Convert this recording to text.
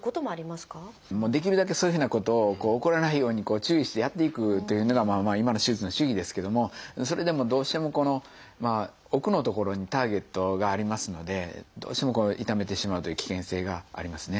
できるだけそういうふうなことを起こらないように注意してやっていくというのが今の手術の手技ですけどもそれでもどうしても奥の所にターゲットがありますのでどうしても傷めてしまうという危険性がありますね。